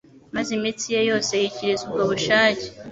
maze imitsi ye yose yikiriza ubwo bushake